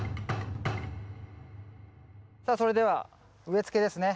それでは植えつけですね。